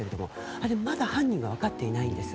あれ、まだ犯人が分かっていないんです。